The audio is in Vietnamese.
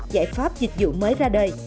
giải pháp dịch vụ mới ra đời